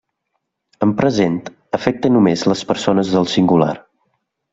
En present, afecta només les persones del singular.